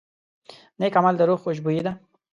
نیک عمل د روح خوشبويي ده.